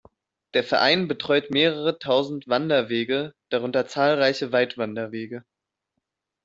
Der Verein betreut mehrere tausend Wanderwege, darunter zahlreiche Weitwanderwege.